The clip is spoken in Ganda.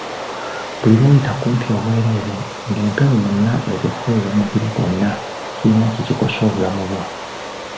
Buli lw'oyita kumpi obwereere ng'empewo yonna ekufuuwa omubiri gwonna kirina kye kikosa obulamu bwo.